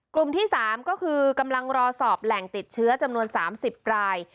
กลุ่มที่๓ก็คือกำลังรอสอบแหล่งติดเชื้อจำนวน๓๐ราย